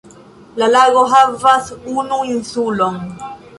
La lago havas unu insulon.